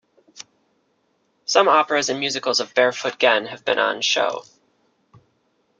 Some operas and musicals of Barefoot Gen have been on show.